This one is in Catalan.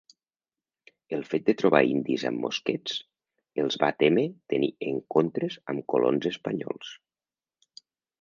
El fet de trobar indis amb mosquets els va témer tenir encontres amb colons espanyols.